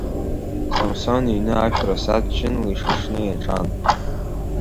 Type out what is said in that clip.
Самсон иҩны ашә расатә ҷынла ишышны иаҿан.